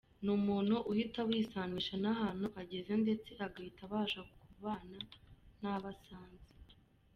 Ni umuntu uhita wisanisha n’ahantu ageze ndetse agahita abasha kubana nabo asanze.